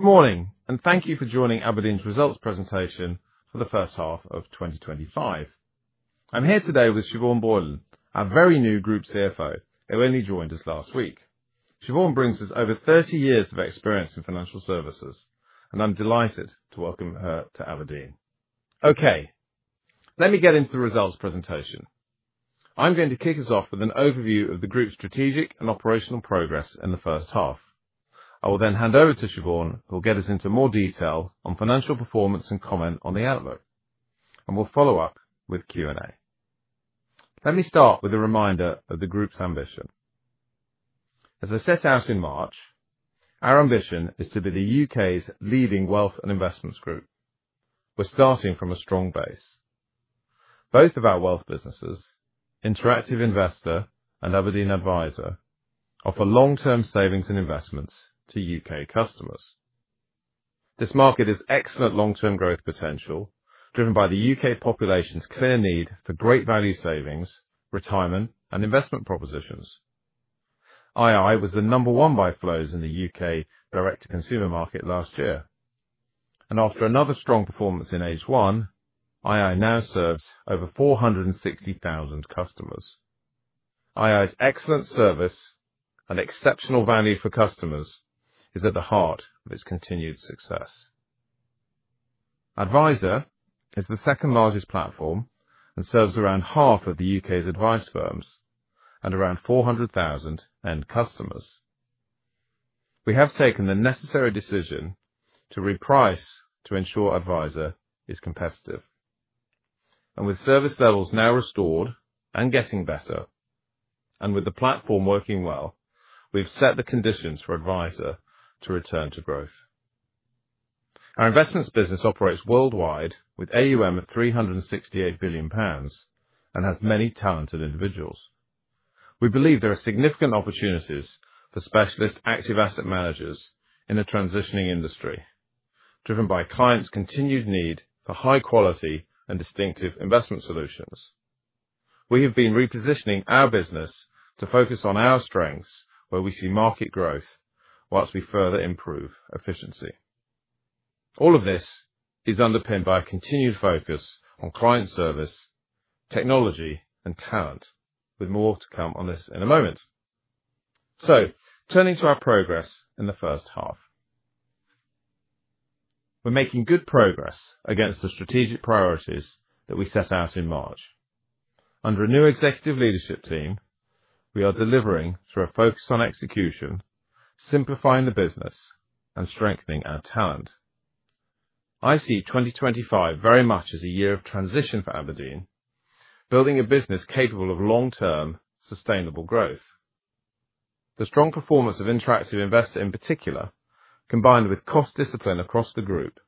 Good morning, and Thank you for joining Aberdeen results presentation for the first half of 2025. I'm here today with Siobhan Boylan, our very new Group CFO who only joined us last week. Siobhan brings us over 30 years of experience in financial services, and I'm delighted to welcome her to Aberdeen. Let me get into the results presentation. I'm going to kick us off with an overview of the group's strategic and operational progress in the first half. I will then hand over to Siobhan, who will get us into more detail on financial performance and comment on the outlook, and we'll follow up with Q&A. Let me start with a reminder of the group's ambition. As I set out in March, our ambition is to be the U.K.'s leading wealth and investments group. We're starting from a strong base. Both of our wealth businesses, Interactive Investor and Aberdeen Adviser, offer long-term savings and investments to U.K. customers. This market has excellent long-term growth potential, driven by the U.K. population's clear need for great value savings, retirement, and investment propositions. II was the number one by flows in the U.K. direct-to-consumer market last year, and after another strong performance in H1, ii now serves over 460,000 customers. II's excellent service and exceptional value for customers are at the heart of its continued success. Adviser is the second-largest platform and serves around half of the U.K.'s advice firms and around 400,000 end customers. We have taken the necessary decision to reprice to ensure Adviser is competitive, and with service levels now restored and getting better, and with the platform working well, we've set the conditions for Adviser to return to growth. Our investments business operates worldwide with AUM of 368 billion pounds and has many talented individuals. We believe there are significant opportunities for specialist active asset managers in a transitioning industry, driven by clients' continued need for high-quality and distinctive investment solutions. We have been repositioning our business to focus on our strengths where we see market growth, whilst we further improve efficiency. All of this is underpinned by a continued focus on client service, technology, and talent, with more to come on this in a moment. Turning to our progress in the first half, we're making good progress against the strategic priorities that we set out in March. Under a new executive leadership team, we are delivering through a focus on execution, simplifying the business, and strengthening our talent. I see 2025 very much as a year of transition for Aberdeen, building a business capable of long-term, sustainable growth. The strong performance of Interactive Investor in particular, combined with cost discipline across the group,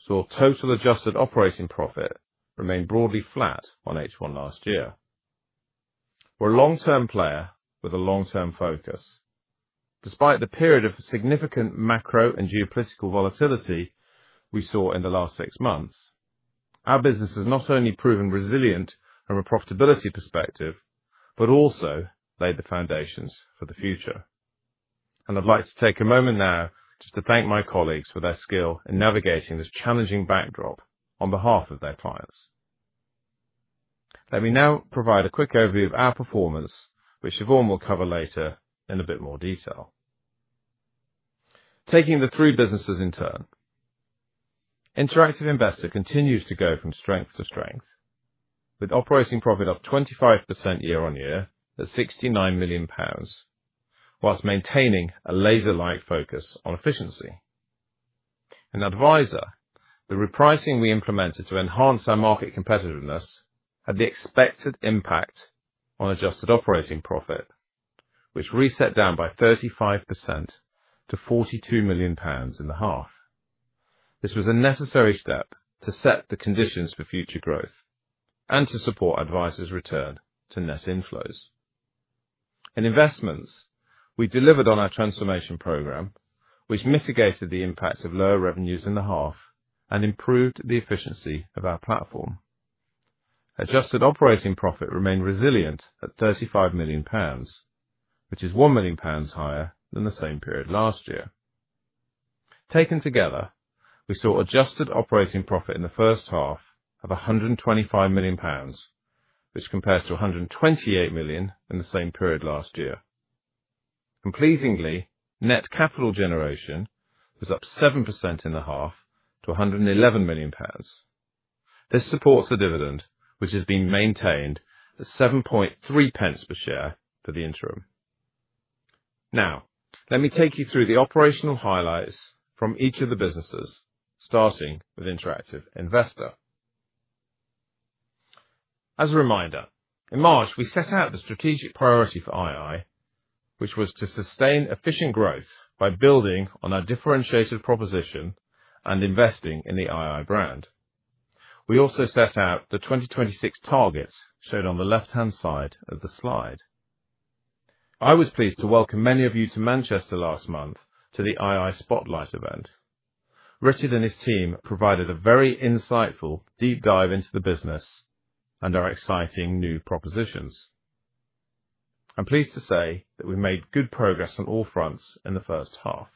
saw total adjusted operating profit remain broadly flat on H1 last year. We're a long-term player with a long-term focus. Despite the period of significant macro and geopolitical volatility we saw in the last six months, our business has not only proven resilient from a profitability perspective but also laid the foundations for the future. I would like to take a moment now just to thank my colleagues for their skill in navigating this challenging backdrop on behalf of their clients. Let me now provide a quick overview of our performance, which Siobhan will cover later in a bit more detail. Taking the three businesses in turn, Interactive Investor continues to go from strength to strength, with operating profit up 25% year-on-year at GBP 69 million, whilst maintaining a laser-like focus on efficiency. In Adviser, the repricing we implemented to enhance our market competitiveness had the expected impact on adjusted operating profit, which reset down by 35% to 42 million pounds in the half. This was a necessary step to set the conditions for future growth and to support Adviser's return to net inflows. In Investments, we delivered on our transformation program, which mitigated the impact of lower revenues in the half and improved the efficiency of our platform. Adjusted operating profit remained resilient at 35 million pounds, which is 1 million pounds higher than the same period last year. Taken together, we saw adjusted operating profit in the first half of 125 million pounds, which compares to 128 million in the same period last year. Pleasingly, net capital generation was up 7% in the half to 111 million. This supports the dividend, which has been maintained at 7.3 pence per share for the interim. Now, let me take you through the operational highlights from each of the businesses, starting with Interactive Investor. As a reminder, in March, we set out the strategic priority for ii which was to sustain efficient growth by building on our differentiated proposition and investing in the II brand. We also set out the 2026 targets shown on the left-hand side of the slide. I was pleased to welcome many of you to Manchester last month to the ii Spotlight event. Richard and his team provided a very insightful deep dive into the business and our exciting new propositions. I'm pleased to say that we made good progress on all fronts in the first half.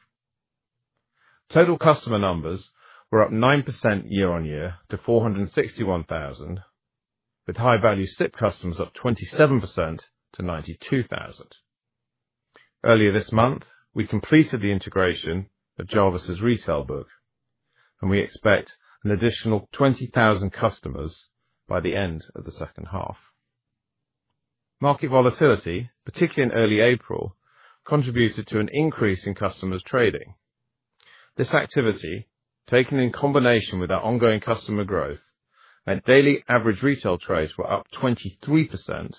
Total customer numbers were up 9% year-on-year to 461,000, with high-value SIPP customers up 27% to 92,000. Earlier this month, we completed the integration of Jarvis's retail book, and we expect an additional 20,000 customers by the end of the second half. Market volatility, particularly in early April, contributed to an increase in customers trading. This activity, taken in combination with our ongoing customer growth, meant daily average retail trades were up 23%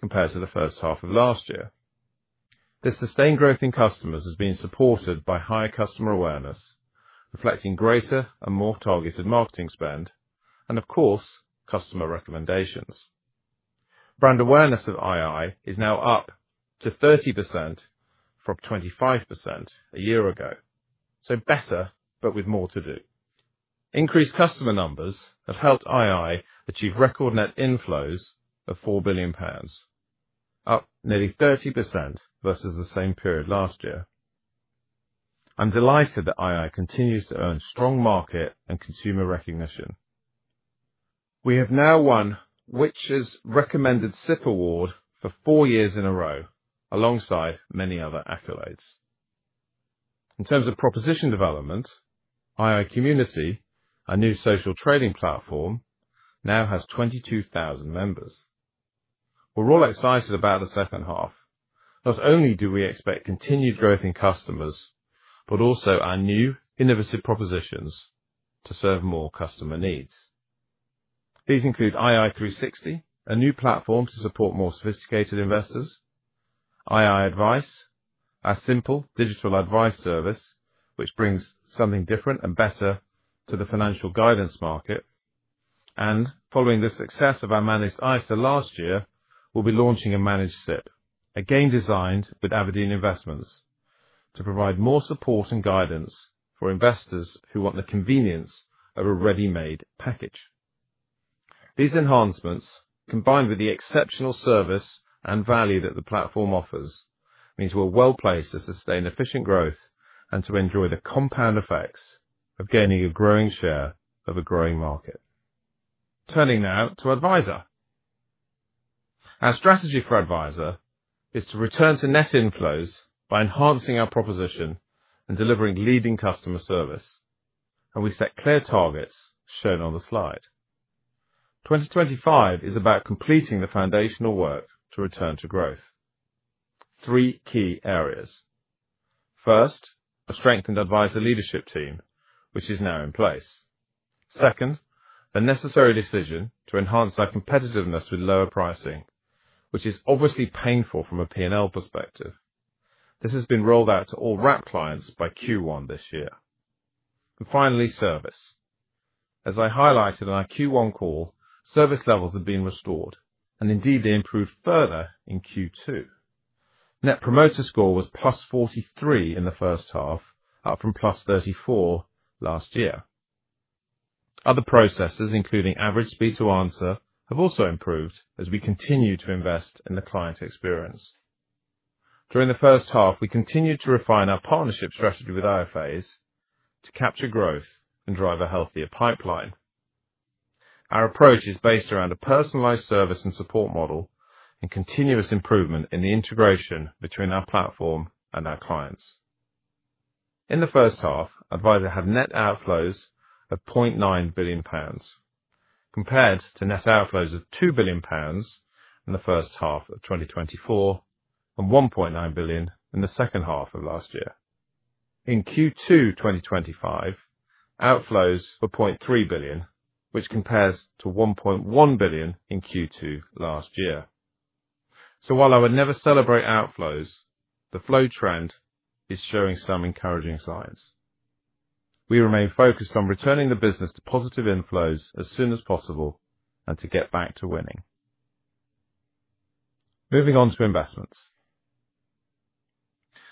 compared to the first half of last year. This sustained growth in customers has been supported by high customer awareness, reflecting greater and more targeted marketing spend, and of course, customer recommendations. Brand awareness of ii is now up to 30% from 25% a year ago, so better but with more to do. Increased customer numbers have helped II achieve record net inflows of 4 billion pounds, up nearly 30% versus the same period last year. I'm delighted that ii continues to earn strong market and consumer recognition. We have now won Which's? Recommended SIPP Award for four years in a row, alongside many other accolades. In terms of proposition development, ii Community, our new social trading platform, now has 22,000 members. We're all excited about the second half. Not only do we expect continued growth in customers, but also our new innovative propositions to serve more customer needs. These include ii 360, a new platform to support more sophisticated investors; ii Advice, a simple digital advice service which brings something different and better to the financial guidance market; and following the success of our managed ISA last year, we'll be launching a managed SIPP, again designed with Aberdeen Investments to provide more support and guidance for investors who want the convenience of a ready-made package. These enhancements, combined with the exceptional service and value that the platform offers, mean we're well placed to sustain efficient growth and to enjoy the compound effects of gaining a growing share of a growing market. Turning now to Adviser. Our strategy for Adviser is to return to net inflows by enhancing our proposition and delivering leading customer service, and we set clear targets shown on the slide. 2025 is about completing the foundational work to return to growth. Three key areas: first, a strengthened Adviser leadership team, which is now in place. Second, the necessary decision to enhance our competitiveness with lower pricing, which is obviously painful from a P&L perspective. This has been rolled out to all wrap clients by Q1 this year. Finally, service. As I highlighted in our Q1 call, service levels have been restored, and indeed they improved further in Q2. Net Promoter Score was +43 in the first half, up from +34 last year. Other processes, including average speed to answer, have also improved as we continue to invest in the client's experience. During the first half, we continued to refine our partnership strategy with IFS to capture growth and drive a healthier pipeline. Our approach is based around a personalized service and support model and continuous improvement in the integration between our platform and our clients. In the first half, Adviser had net outflows of 0.9 billion pounds compared to net outflows of 2 billion pounds in the first half of 2024 and 1.9 billion in the second half of last year. In Q2 2025, outflows were 0.3 billion, which compares to 1.1 billion in Q2 last year. While I would never celebrate outflows, the flow trend is showing some encouraging signs. We remain focused on returning the business to positive inflows as soon as possible and to get back to winning. Moving on to investments.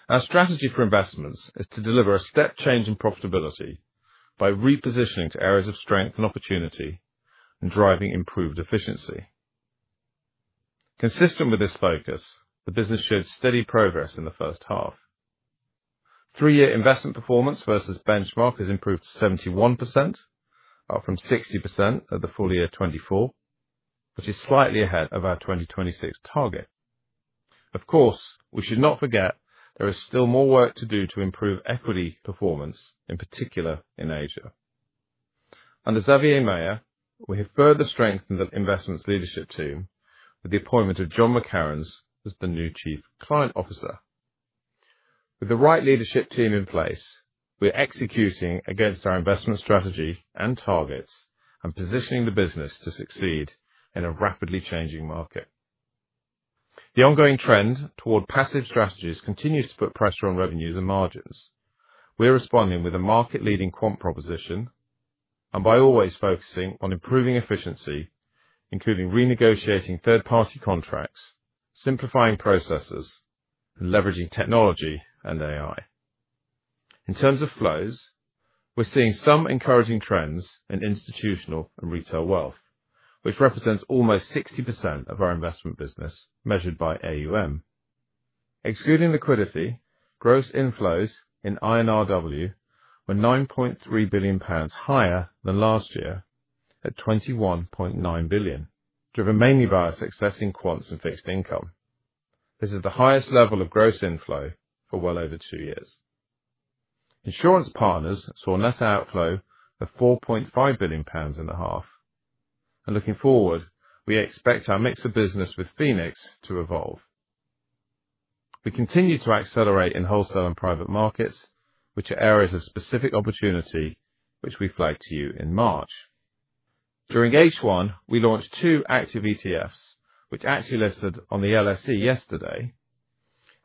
Our strategy for investments is to deliver a step change in profitability by repositioning to areas of strength and opportunity and driving improved efficiency. Consistent with this focus, the business showed steady progress in the first half. Three-year investment performance versus benchmark has improved to 71%, up from 60% at the full year 2024, which is slightly ahead of our 2026 target. Of course, we should not forget there is still more work to do to improve equity performance, in particular in Asia. Under Xavier Mayer, we have further strengthened the Investments leadership team with the appointment of John McCareins as the new Chief Client Officer. With the right leadership team in place, we're executing against our investment strategy and targets and positioning the business to succeed in a rapidly changing market. The ongoing trend toward passive strategies continues to put pressure on revenues and margins. We're responding with a market-leading quant proposition and by always focusing on improving efficiency, including renegotiating third-party contracts, simplifying processes, and leveraging technology and AI. In terms of flows, we're seeing some encouraging trends in institutional and retail wealth, which represents almost 60% of our investment business measured by AUM. Excluding liquidity, gross inflows in INRW were 9.3 billion pounds higher than last year at 21.9 billion, driven mainly by our success in quants and fixed income. This is the highest level of gross inflow for well over two years. Insurance partners saw a net outflow of 4.5 billion pounds in the half, and looking forward, we expect our mix of business with Phoenix to evolve. We continue to accelerate in wholesale and private markets, which are areas of specific opportunity which we flagged to you in March. During H1, we launched two active ETFs which actually listed on the LSE yesterday,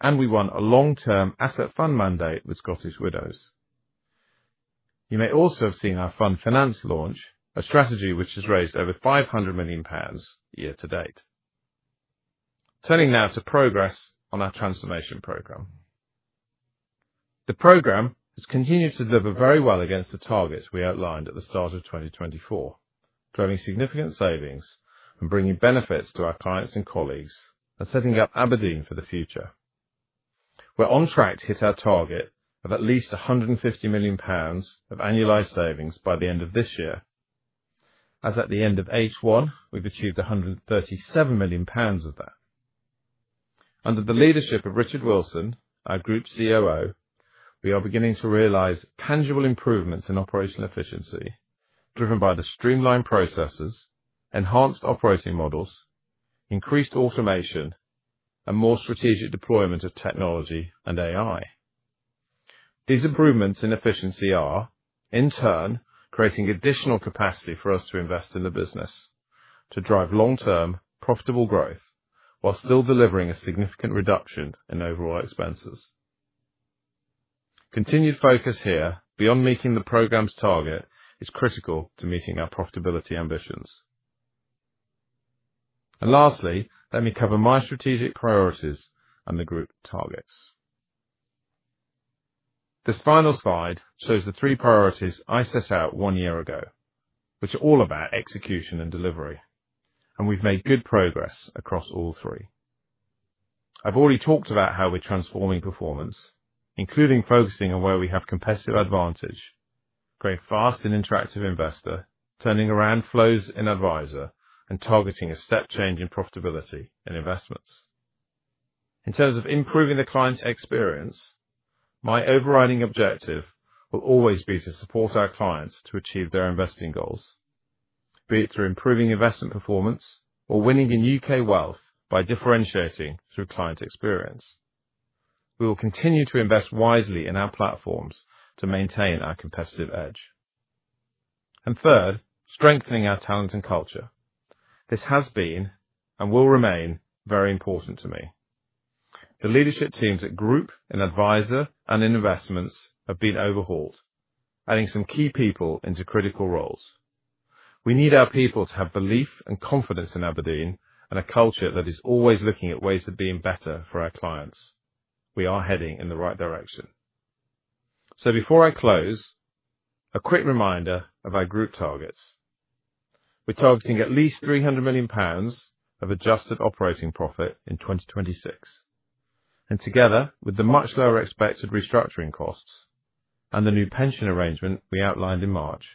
and we won a long-term asset fund mandate with Scottish Widows. You may also have seen our fund finance launch, a strategy which has raised over 500 million pounds year to date. Turning now to progress on our transformation program. The program has continued to deliver very well against the targets we outlined at the start of 2024, driving significant savings and bringing benefits to our clients and colleagues and setting up Aberdeen for the future. We're on track to hit our target of at least 150 million pounds of annualized savings by the end of this year, as at the end of H1, we've achieved 137 million pounds of that. Under the leadership of Richard Wilson, our Group COO, we are beginning to realize tangible improvements in operational efficiency driven by the streamlined processes, enhanced operating models, increased automation, and more strategic deployment of technology and AI. These improvements in efficiency are, in turn, creating additional capacity for us to invest in the business to drive long-term profitable growth while still delivering a significant reduction in overall expenses. Continued focus here beyond meeting the program's target is critical to meeting our profitability ambitions. Lastly, let me cover my strategic priorities and the group targets. This final slide shows the three priorities I set out one year ago, which are all about execution and delivery, and we've made good progress across all three. I've already talked about how we're transforming performance, including focusing on where we have a competitive advantage, growing fast in Interactive Investor, turning around flows in Adviser, and targeting a step change in profitability and investments. In terms of improving the client experience, my overriding objective will always be to support our clients to achieve their investing goals, be it through improving investment performance or winning in U.K. wealth by differentiating through client experience. We will continue to invest wisely in our platforms to maintain our competitive edge. Third, strengthening our talent and culture. This has been and will remain very important to me. The leadership teams at Group in Adviser and in Investments have been overhauled, adding some key people into critical roles. We need our people to have belief and confidence in Aberdeen and a culture that is always looking at ways of being better for our clients. We are heading in the right direction. Before I close, a quick reminder of our group targets. We're targeting at least 300 million pounds of adjusted operating profit in 2026, and together with the much lower expected restructuring costs and the new pension arrangement we outlined in March,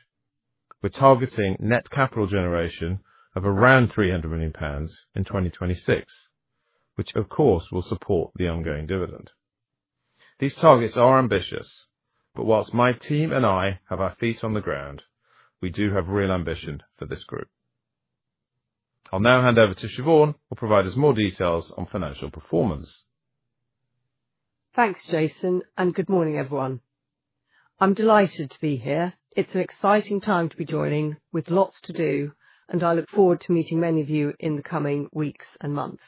we're targeting net capital generation of around 300 million pounds in 2026, which of course will support the ongoing dividend. These targets are ambitious, but whilst my team and I have our feet on the ground, we do have real ambition for this group. I'll now hand over to Siobhan, who will provide us more details on financial performance. Thanks, Jason, and good morning, everyone. I'm delighted to be here. It's an exciting time to be joining with lots to do, and I look forward to meeting many of you in the coming weeks and months.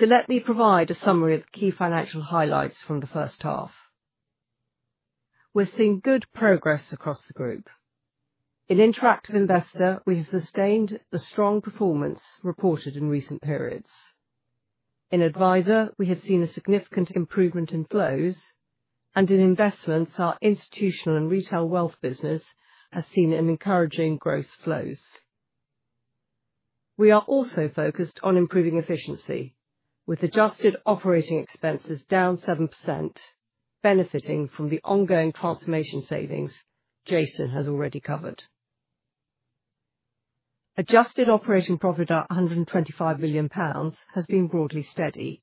Let me provide a summary of the key financial highlights from the first half. We're seeing good progress across the group. In Interactive Investor, we have sustained the strong performance reported in recent periods. In Adviser, we have seen a significant improvement in flows, and in Investments, our institutional and retail wealth business has seen encouraging growth flows. We are also focused on improving efficiency, with adjusted operating expenses down 7%, benefiting from the ongoing transformation savings Jason has already covered. Adjusted operating profit at 125 million pounds has been broadly steady,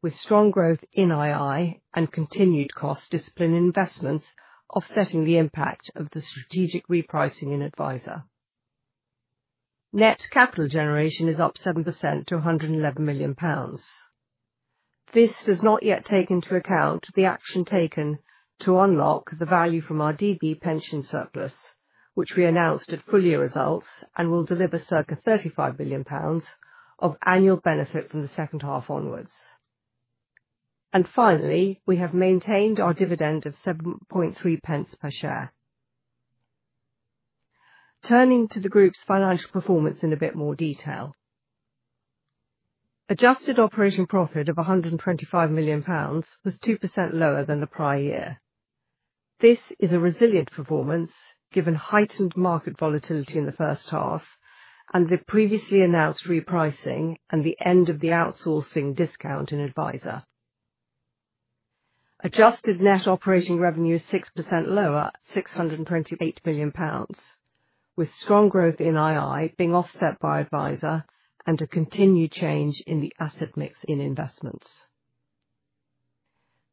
with strong growth in ii and continued cost discipline in Investments offsetting the impact of the strategic repricing in Adviser. Net capital generation is up 7% to 111 million pounds. This does not yet take into account the action taken to unlock the value from our DB pension surplus, which we announced at full year results and will deliver circa 35 million pounds of annual benefit from the second half onwards. We have maintained our dividend of 7.3 pence per share. Turning to the group's financial performance in a bit more detail, adjusted operating profit of 125 million pounds was 2% lower than the prior year. This is a resilient performance given heightened market volatility in the first half and the previously announced repricing and the end of the outsourcing discount in Adviser. Adjusted net operating revenue is 6% lower at 628 million pounds, with strong growth in II being offset by Adviser and a continued change in the asset mix in Investments.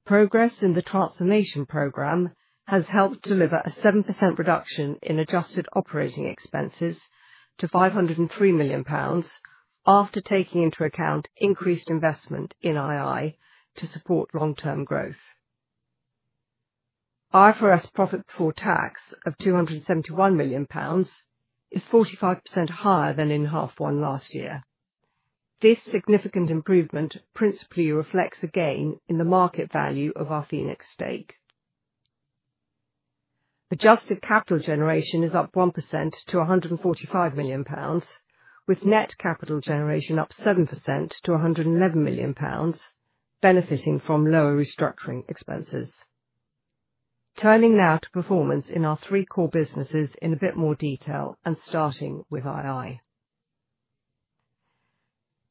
Progress in the transformation program has helped deliver a 7% reduction in adjusted operating expenses to 503 million pounds after taking into account increased investment in ii to support long-term growth. IFRS profit before tax of 271 million pounds is 45% higher than in half one last year. This significant improvement principally reflects a gain in the market value of our Phoenix stake. Adjusted capital generation is up 1% to 145 million pounds, with net capital generation up 7% to 111 million pounds, benefiting from lower restructuring expenses. Turning now to performance in our three core businesses in a bit more detail and starting with ii.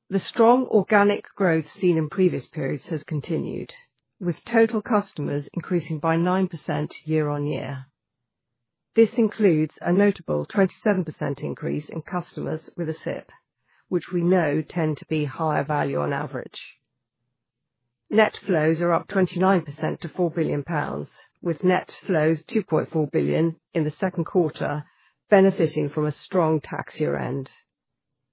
The strong organic growth seen in previous periods has continued, with total customers increasing by 9% year-on-year. This includes a notable 27% increase in customers with a SIPP, which we know tend to be higher value on average. Net flows are up 29% to 4 billion pounds, with net flows 2.4 billion in the second quarter benefiting from a strong tax year end.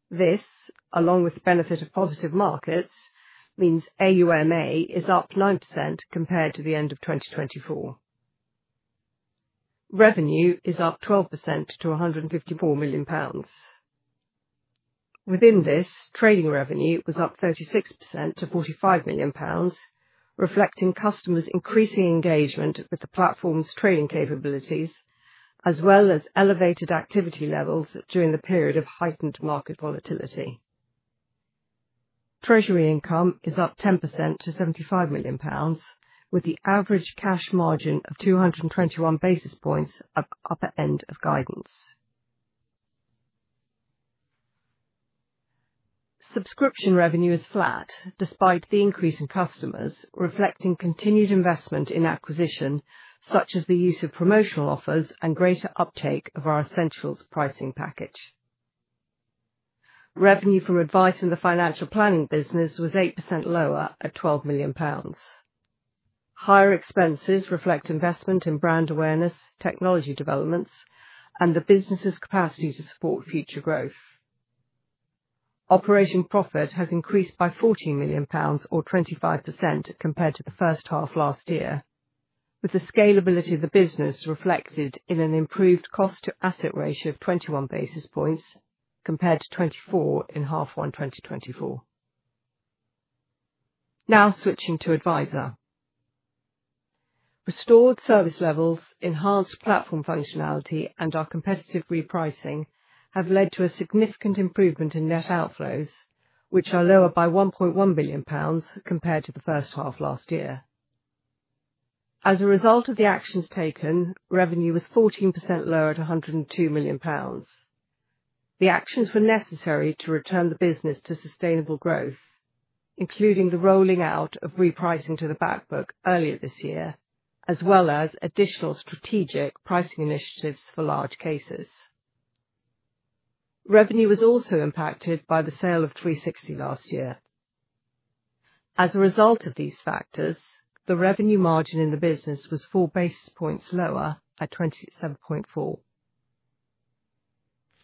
This, along with the benefit of positive markets, means AUM is up 9% compared to the end of 2024. Revenue is up 12% to 154 million pounds. Within this, trading revenue was up 36% to 45 million pounds, reflecting customers' increasing engagement with the platform's trading capabilities, as well as elevated activity levels during the period of heightened market volatility. Treasury income is up 10% to 75 million pounds, with the average cash margin of 221 basis points at the upper end of guidance. Subscription revenue is flat despite the increase in customers, reflecting continued investment in acquisition, such as the use of promotional offers and greater uptake of our essentials pricing package. Revenue from advice in the financial planning business was 8% lower at 12 million pounds. Higher expenses reflect investment in brand awareness, technology developments, and the business's capacity to support future growth. Operating profit has increased by 14 million pounds, or 25% compared to the first half last year, with the scalability of the business reflected in an improved cost-to-asset ratio of 21 basis points compared to 24 in half one 2024. Now switching to Adviser, restored service levels, enhanced platform functionality, and our competitive repricing have led to a significant improvement in net outflows, which are lower by 1.1 billion pounds compared to the first half last year. As a result of the actions taken, revenue was 14% lower at 102 million pounds. The actions were necessary to return the business to sustainable growth, including the rolling out of repricing to the back book earlier this year, as well as additional strategic pricing initiatives for large cases. Revenue was also impacted by the sale of 360 last year. As a result of these factors, the revenue margin in the business was 4 basis points lower at 27.4.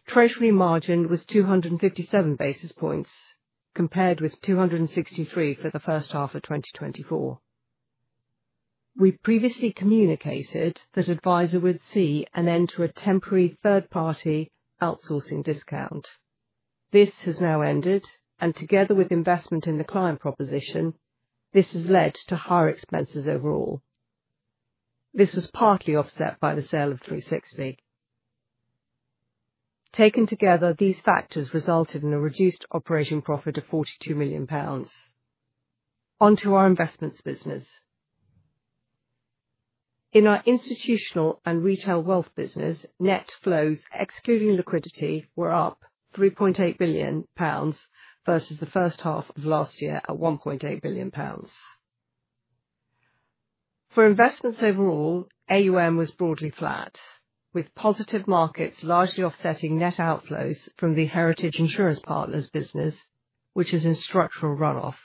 Treasury margin was 257 basis points compared with 263 for the first half of 2024. We previously communicated that Adviser would see and enter a temporary third-party outsourcing discount. This has now ended, and together with investment in the client proposition, this has led to higher expenses overall. This was partly offset by the sale of 360. Taken together, these factors resulted in a reduced operating profit of 42 million pounds. Onto our Investments business. In our Institutional and Retail Wealth business, net flows, excluding liquidity, were up 3.8 billion pounds versus the first half of last year at 1.8 billion pounds. For Investments overall, AUM was broadly flat, with positive markets largely offsetting net outflows from the heritage insurance partners business, which is in structural runoff.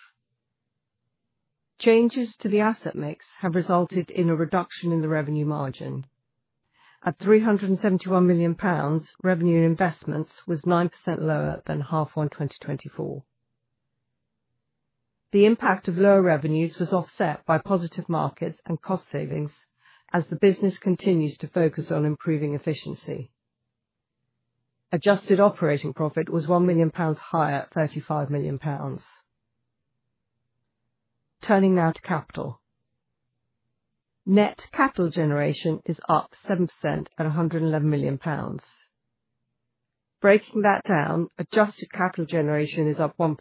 Changes to the asset mix have resulted in a reduction in the revenue margin. At 371 million pounds, revenue in Investments was 9% lower than half one 2024. The impact of lower revenues was offset by positive markets and cost savings, as the business continues to focus on improving efficiency. Adjusted operating profit was 1 million pounds higher at 35 million pounds. Turning now to capital. Net capital generation is up 7% at 111 million pounds. Breaking that down, adjusted capital generation is up 1%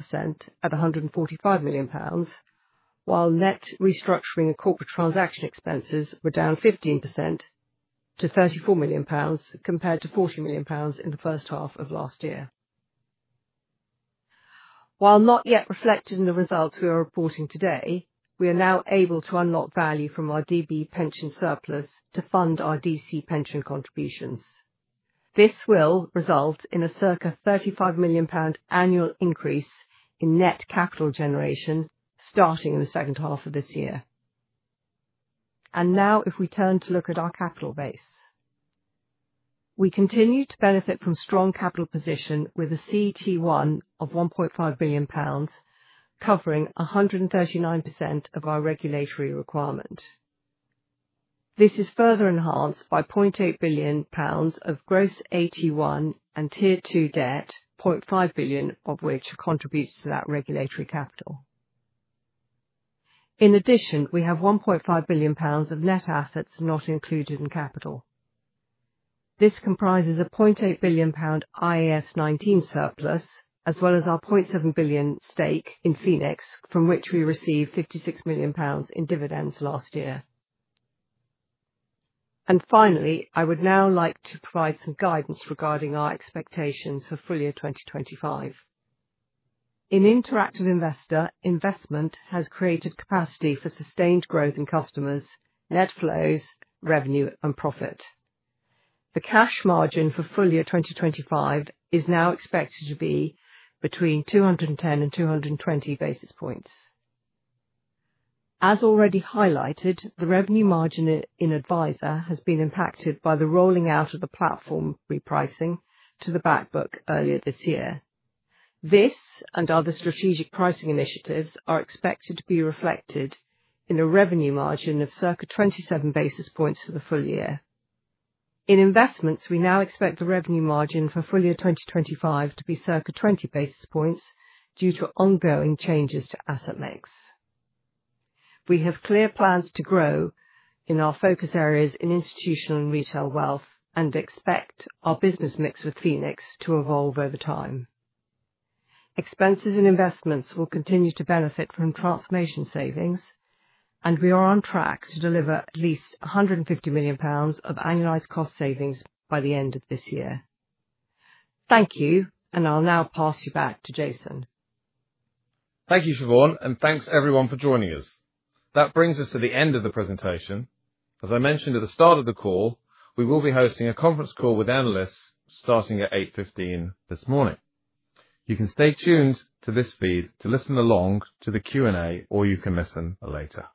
at 145 million pounds, while net restructuring and corporate transaction expenses were down 15% to 34 million pounds compared to 40 million pounds in the first half of last year. While not yet reflected in the results we are reporting today, we are now able to unlock value from our DB pension surplus to fund our DC pension contributions. This will result in a circa GBP 35 million annual increase in net capital generation starting in the second half of this year. If we turn to look at our capital base, we continue to benefit from strong capital position with a CET1 of 1.5 billion pounds, covering 139% of our regulatory requirement. This is further enhanced by GBP 0.8 billion of gross AT1 and Tier 2 debt, GBP 0.5 billion of which contributes to that regulatory capital. In addition, we have 1.5 billion pounds of net assets not included in capital. This comprises a 0.8 billion pound IAS 19 surplus, as well as our 0.7 billion stake in Phoenix, from which we received 56 million pounds in dividends last year. Finally, I would now like to provide some guidance regarding our expectations for full year 2025. In Interactive Investor, investment has created capacity for sustained growth in customers, net flows, revenue, and profit. The cash margin for full year 2025 is now expected to be between 210 and 220 basis points. As already highlighted, the revenue margin in Adviser has been impacted by the rolling out of the platform repricing to the back book earlier this year. This and other strategic pricing initiatives are expected to be reflected in a revenue margin of circa 27 basis points for the full year. In Investments, we now expect the revenue margin for full year 2025 to be circa 20 basis points due to ongoing changes to asset mix. We have clear plans to grow in our focus areas in Institutional and Retail Wealth and expect our business mix with Phoenix to evolve over time. Expenses and investments will continue to benefit from transformation savings, and we are on track to deliver at least 150 million pounds of annualized cost savings by the end of this year. Thank you, and I'll now pass you back to Jason. Thank you, Siobhan, and thanks everyone for joining us. That brings us to the end of the presentation. As I mentioned at the start of the call, we will be hosting a conference call with analysts starting at 8:15 A.M. this morning. You can stay tuned to this feed to listen along to the Q&A, or you can listen later.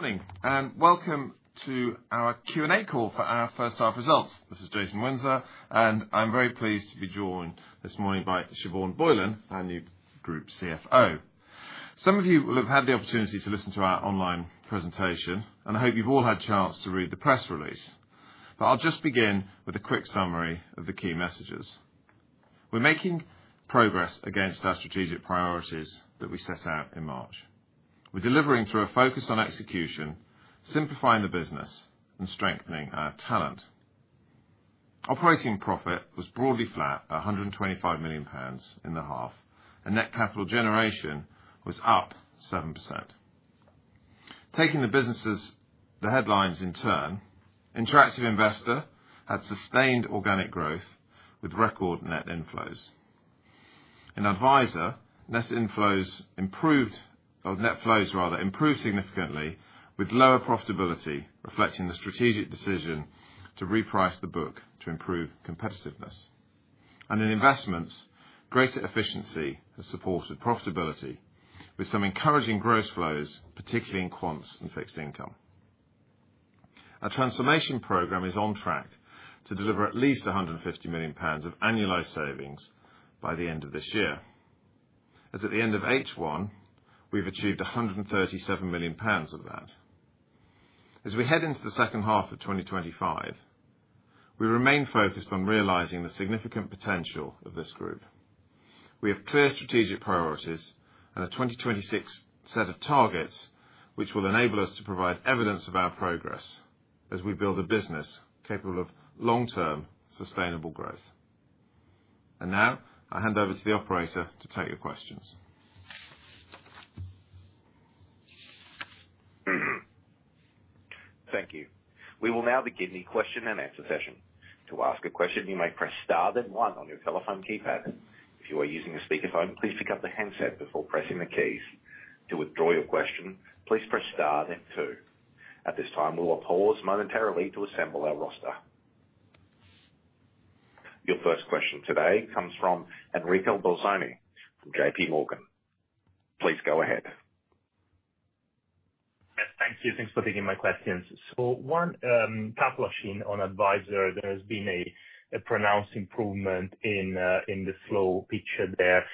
Morning and welcome to our Q&A call for our first half results. This is Jason Windsor, and I'm very pleased to be joined this morning by Siobhan Boylan, our new Group CFO. Some of you will have had the opportunity to listen to our online presentation, and I hope you've all had a chance to read the press release. I'll just begin with a quick summary of the key messages. We're making progress against our strategic priorities that we set out in March. We're delivering through a focus on execution, simplifying the business, and strengthening our talent. Operating profit was broadly flat at 125 million pounds in the half, and net capital generation was up 7%. Taking the businesses, the headlines in turn, Interactive Investor had sustained organic growth with record net inflows. In Adviser, net inflows improved or net flows rather improved significantly with lower profitability, reflecting the strategic decision to reprice the book to improve competitiveness. In Investments, greater efficiency has supported profitability with some encouraging gross flows, particularly in quants and fixed income. Our transformation program is on track to deliver at least 150 million pounds of annualized savings by the end of this year. As at the end of H1, we've achieved 137 million pounds of that. As we head into the second half of 2025, we remain focused on realizing the significant potential of this group. We have clear strategic priorities and a 2026 set of targets which will enable us to provide evidence of our progress as we build a business capable of long-term sustainable growth. Now, I'll hand over to the operator to take your questions. Thank you. We will now begin the question and answer session. To ask a question, you may press star, then one on your telephone keypad. If you are using a speaker phone, please pick up the headset before pressing the keys. To withdraw your question, please press star, then two. At this time, we will pause momentarily to assemble our roster. Your first question today comes from Enrico Bolzoni from JPMorgan, please go ahead. Thank you. Thanks for taking my questions. One question on Adviser. There has been a pronounced improvement in the flow picture there.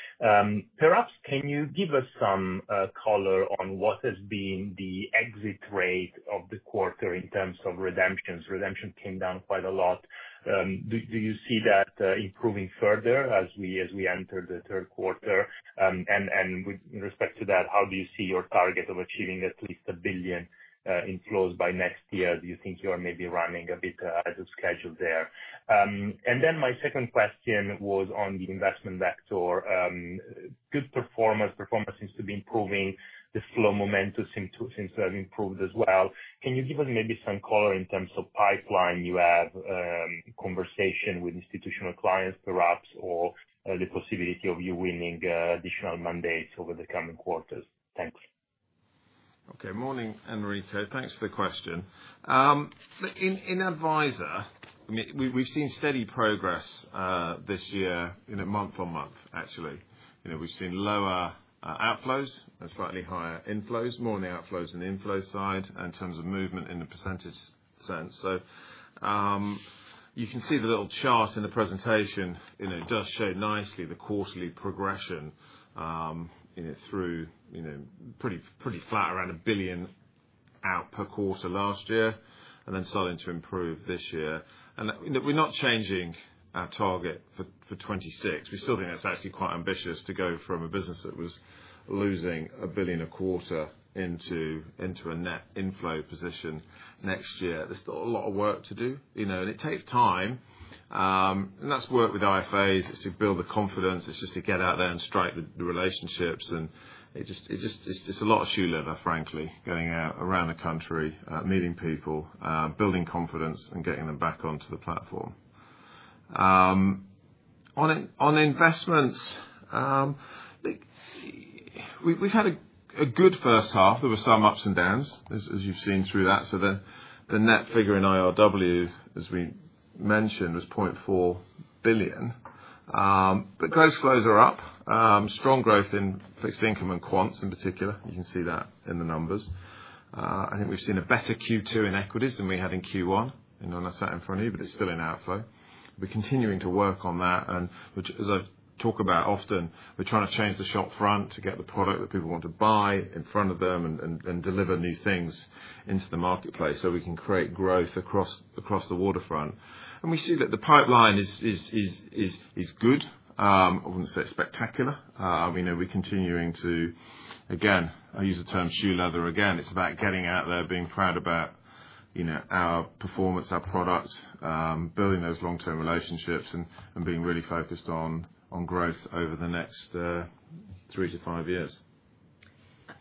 Perhaps, can you give us some color on what has been the exit rate of the quarter in terms of redemptions? Redemptions came down quite a lot. Do you see that improving further as we enter the third quarter? With respect to that, how do you see your target of achieving at least 1 billion in flows by next year? Do you think you are maybe running a bit ahead of schedule there? My second question was on the investment vector. Good performance. Performance seems to be improving. The flow momentum seems to have improved as well. Can you give us maybe some color in terms of pipeline you have? Conversation with institutional clients, perhaps, or the possibility of you winning additional mandates over the coming quarters? Thanks. Okay. Morning, Enrico. Thanks for the question. In Adviser, we've seen steady progress this year month-on-month, actually. We've seen lower outflows and slightly higher inflows, more on the outflows and inflow side in terms of movement in the % sense. You can see the little chart in the presentation. It does show nicely the quarterly progression in it through, pretty flat around 1 billion out per quarter last year and then starting to improve this year. We're not changing our target for 2026. We still think that's actually quite ambitious to go from a business that was losing 1 billion a quarter into a net inflow position next year. There's still a lot of work to do, and it takes time. That's work with IFRS to build the confidence. It's just to get out there and strike the relationships. It's just a lot of shoe leather, frankly, going out around the country, meeting people, building confidence, and getting them back onto the platform. On Investments, we've had a good first half. There were some ups and downs, as you've seen through that. The net figure in IRW, as we mentioned, was 0.4 billion. Gross flows are up. Strong growth in fixed income and quants in particular. You can see that in the numbers. I think we've seen a better Q2 in equities than we had in Q1. I know that's out in front of you, but it's still in outflow. We're continuing to work on that. As I talk about often, we're trying to change the shop front to get the product that people want to buy in front of them and deliver new things into the marketplace so we can create growth across the waterfront. We see that the pipeline is good. I wouldn't say spectacular. We're continuing to, again, I use the term shoe leather again. It's about getting out there, being proud about our performance, our product, building those long-term relationships, and being really focused on growth over the next three to five years.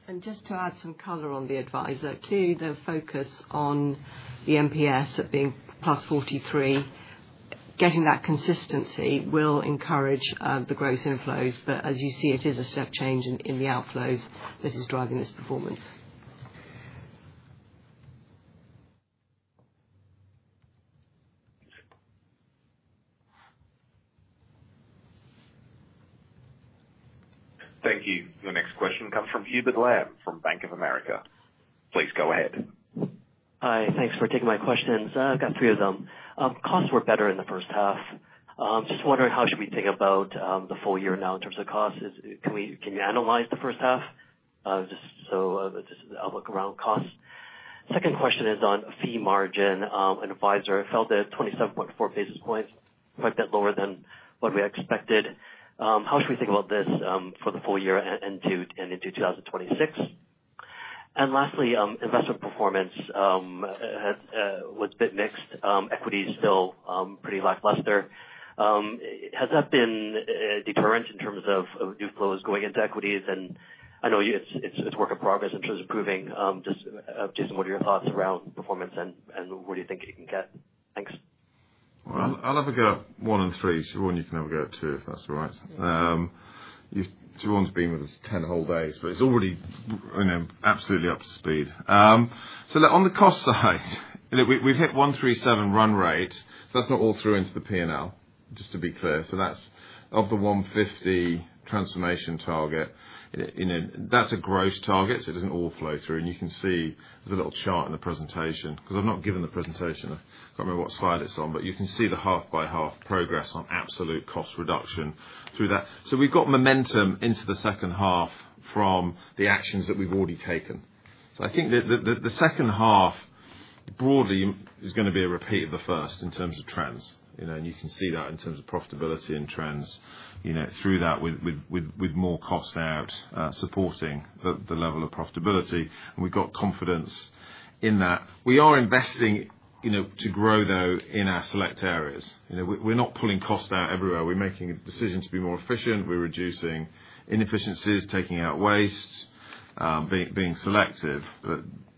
To add some color on the Adviser, clearly the focus on the MPS at being +43, getting that consistency will encourage the gross inflows. As you see, it is a step change in the outflows that is driving this performance. Thank you. The next question comes from Hubert Lam from Bank of America. Please go ahead. Hi. Thanks for taking my questions. I've got three of them. Costs were better in the first half. I'm just wondering how should we think about the full year now in terms of costs? Can you analyze the first half? Just so I'll look around costs. The second question is on fee margin. In Adviser, it fell to 27.4 basis points, quite a bit lower than what we expected. How should we think about this for the full year and into 2026? Lastly, investment performance was a bit mixed. Equities still pretty lackluster. Has that been a deterrent in terms of new flows going into equities? I know it's work in progress in terms of improving. Just Jason, what are your thoughts around performance and where do you think it can get? Thanks. I'll have a go at one and three. Siobhan, you can have a go at two if that's all right. Siobhan's been with us 10 whole days, but it's already, you know, absolutely up to speed. On the cost side, we've hit 137 million run rate. That's not all through into the P&L, just to be clear. That's of the 150 million transformation target. That's a gross target, so it doesn't all flow through. You can see there's a little chart in the presentation because I've not given the presentation. I can't remember what slide it's on, but you can see the half by half progress on absolute cost reduction through that. We've got momentum into the second half from the actions that we've already taken. I think that the second half broadly is going to be a repeat of the first in terms of trends. You can see that in terms of profitability and trends through that, with more costs out supporting the level of profitability. We've got confidence in that. We are investing to grow, though, in our select areas. We're not pulling costs out everywhere. We're making decisions to be more efficient. We're reducing inefficiencies, taking out waste, being selective.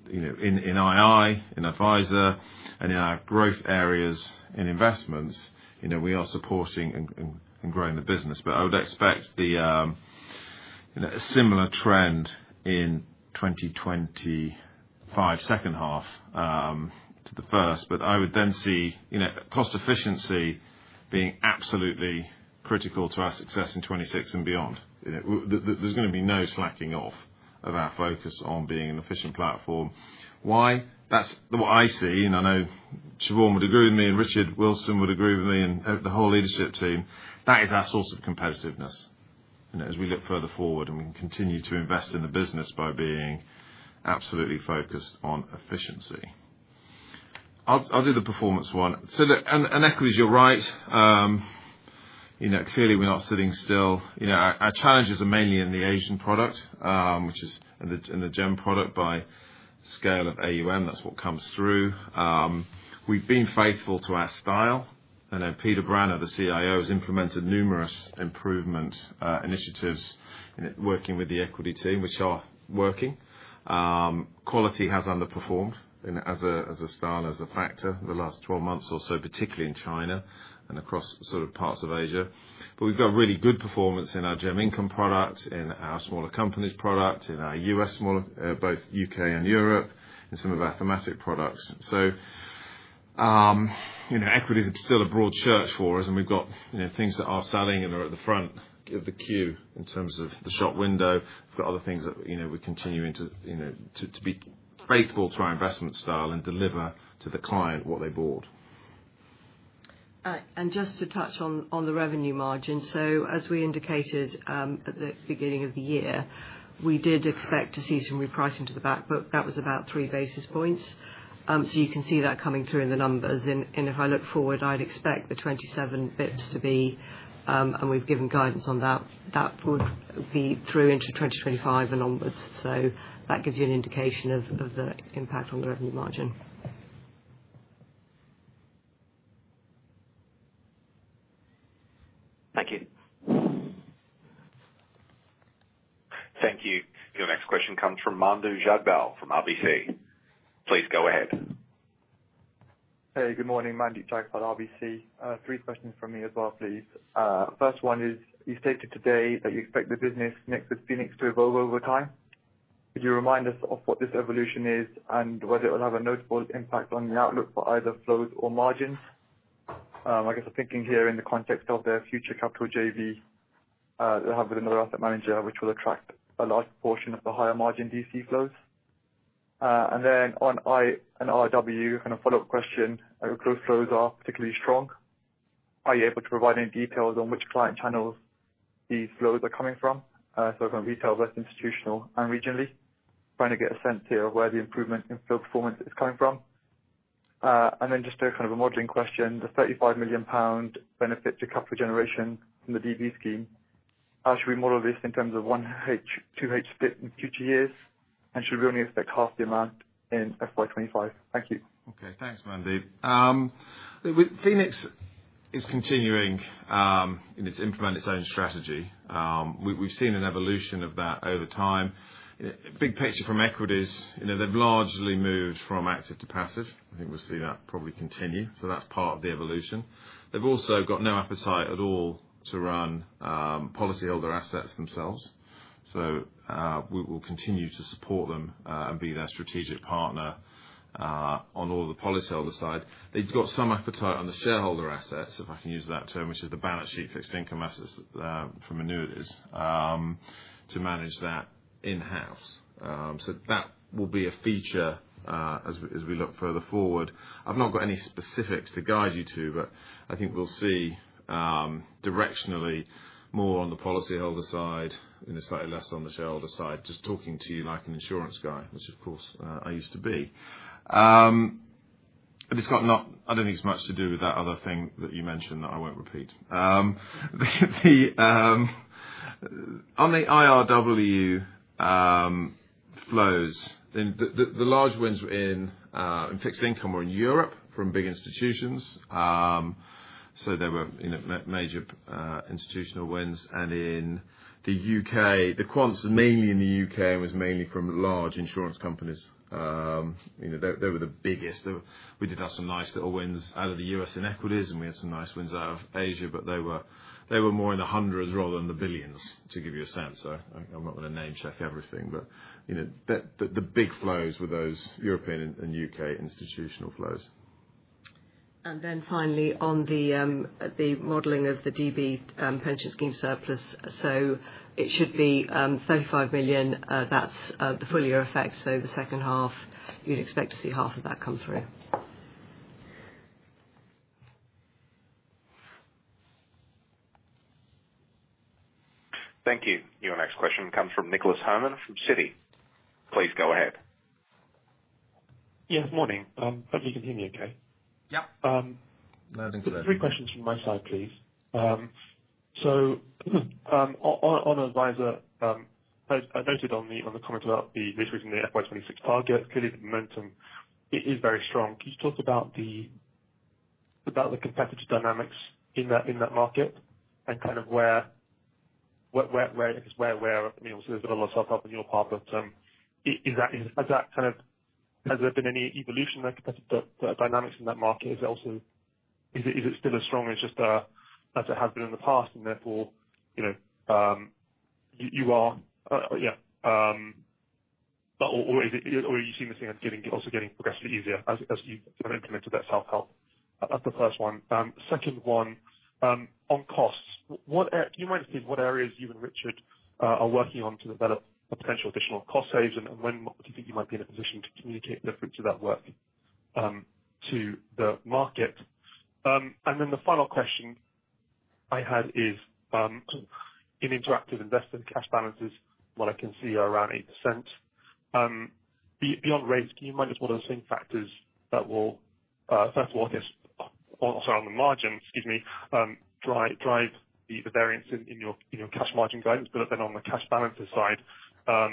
In ii, in Adviser, and in our growth areas in Investments, we are supporting and growing the business. I would expect a similar trend in 2025, second half, to the first. I would then see cost efficiency being absolutely critical to our success in 2026 and beyond. There's going to be no slacking off of our focus on being an efficient platform. That's what I see. I know Siobhan would agree with me, and Richard Wilson would agree with me, and the whole leadership team. That is our source of competitiveness. As we look further forward, we can continue to invest in the business by being absolutely focused on efficiency. I'll do the performance one. On equities, you're right. Clearly we're not sitting still. Our challenges are mainly in the Asian product, which is in the GEM product by scale of AUM. That's what comes through. We've been faithful to our style. I know Peter Branner, the CIO, has implemented numerous improvement initiatives in working with the equity team, which are working. Quality has underperformed as a style and as a factor in the last 12 months or so, particularly in China and across parts of Asia. We've got really good performance in our GEM income product, in our smaller companies product, in our U.S. smaller, both U.K. and Europe, in some of our thematic products. Equities are still a broad church for us, and we've got things that are selling and are at the front of the queue in terms of the shop window. We've got other things that we continue to be faithful to our investment style and deliver to the client what they bought. To touch on the revenue margin, as we indicated at the beginning of the year, we did expect to see some repricing to the back book. That was about 3 basis points, so you can see that coming through in the numbers. If I look forward, I'd expect the 27 bps to be, and we've given guidance on that, that would be through into 2025 and onwards. That gives you an indication of the impact on the revenue margin. Thank you. Thank you. Your next question comes from Mandeep Jagpal from RBC. Please go ahead. Hey, good morning. Mandeep Jagpal, RBC Capital Markets. Three questions from me as well, please. First one is, you stated today that you expect the business next with Phoenix to evolve over time. Could you remind us of what this evolution is and whether it will have a notable impact on the outlook for either flows or margins? I guess I'm thinking here in the context of their future capital JV they'll have with another asset manager, which will attract a large portion of the higher margin DC flows. On ii and RW, kind of follow-up question, close flows are particularly strong. Are you able to provide any details on which client channels these flows are coming from, so from retail versus institutional and regionally, trying to get a sense here of where the improvement in flow performance is coming from? Just a kind of a modeling question. The 35 million pound benefit to capital generation from the DB scheme, should we model this in terms of 1H, 2H split in future years, and should we only expect half the amount in FY 2025? Thank you. Okay. Thanks, Mandeep. With Phoenix continuing in its implement its own strategy, we've seen an evolution of that over time. A big picture from equities, you know, they've largely moved from active to passive. I think we'll see that probably continue. That's part of the evolution. They've also got no appetite at all to run policyholder assets themselves. We will continue to support them and be their strategic partner on all the policyholder side. They've got some appetite on the shareholder assets, if I can use that term, which is the balance sheet fixed income assets from annuities, to manage that in-house. That will be a feature as we look further forward. I've not got any specifics to guide you to, but I think we'll see directionally more on the policyholder side and slightly less on the shareholder side, just talking to you like an insurance guy, which of course, I used to be. I don't think it's much to do with that other thing that you mentioned that I won't repeat. On the IRW flows, the large wins were in fixed income or in Europe from big institutions. There were major institutional wins. In the U.K., the quants are mainly in the U.K. and was mainly from large insurance companies. They were the biggest. We did have some nice little wins out of the US in equities, and we had some nice wins out of Asia, but they were more in the hundreds rather than the billions, to give you a sense. I'm not going to name check everything, but the big flows were those European and U.K. institutional flows. On the modeling of the DB pension scheme surplus, it should be 35 million. That's the full year effect. The second half, you'd expect to see half of that come through. Thank you. Your next question comes from Nicholas Herman from Citi. Please go ahead. Yeah, morning. I hope you can hear me okay. Yeah, loud and clear. Three questions from my side, please. On Adviser, I noted the comment about the recent FY 2026 target, clearly the momentum is very strong. Could you talk about the competitive dynamics in that market and kind of where we are? I mean, obviously, there's a lot of self-help on your part, but has there been any evolution in the competitive dynamics in that market? Is it still as strong as it has been in the past and therefore, you are, or are you seeing this thing as getting progressively easier as you've implemented that self-help? That's the first one. Second one, on costs, can you remind us, what areas you and Richard are working on to develop potential additional cost saves and when do you think you might be in a position to communicate the fruits of that work to the market? The final question I had is, in Interactive Investor, the cash balances, what I can see are around 8%. Beyond rates, can you remind us what are the same factors that will, first of all, also on the margin, excuse me, drive the variance in your cash margin guidance? Then on the cash balance side,